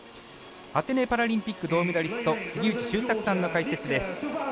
アテネパラリンピック銅メダリスト杉内周作さんの解説です。